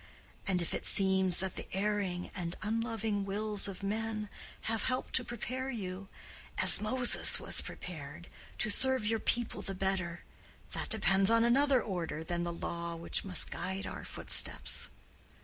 And if it seems that the erring and unloving wills of men have helped to prepare you, as Moses was prepared, to serve your people the better, that depends on another order than the law which must guide our footsteps.